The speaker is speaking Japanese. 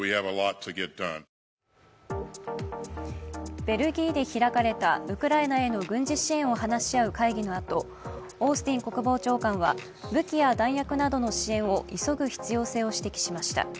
ベルギーで開かれたウクライナへの軍事支援を話し合う会議のあと、オースティン国防長官は、武器や弾薬などの支援を急ぐ必要性を指摘しました。